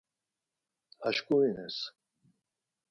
Aşǩurines.